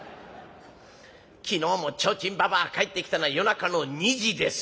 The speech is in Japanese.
「昨日も提灯ばばあ帰ってきたのは夜中の２時ですよ。